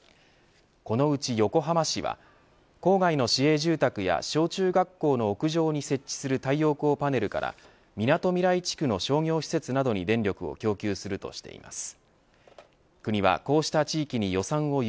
このうち横浜市は郊外の市営住宅や小中学校の屋上に設置する太陽光パネルからみなとみらい地区の商業施設などに電力を供給するとしています。